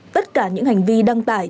tất cả những hành vi đăng tải